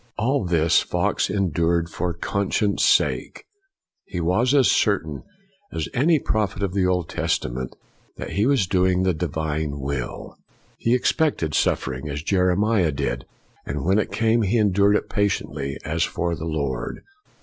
'' All this Fox endured for conscience' sake. He was as certain as any prophet in the Old Testament that he was doing u u FOX 293 the divine will. He expected suffering, as Jeremiah did; and when it came, he endured it patiently as for the Lord.